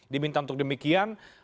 diminta untuk demikian